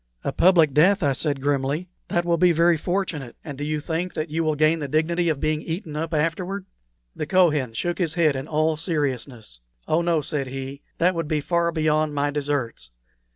"A public death!" I said, grimly. "That will be very fortunate! And do you think that you will gain the dignity of being eaten up afterward?" The Kohen shook his head in all seriousness. "Oh no," said he; "that would be far beyond my deserts.